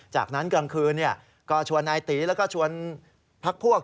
จากนั้นกลางคืนก็ชวนนายตีแล้วก็ชวนพักพวก